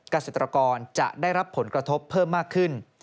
เกษตรกรจะได้รับผลกระทบเพิ่มมากขึ้น